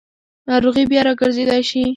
ناروغي بیا راګرځېدای شي.